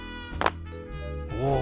おお。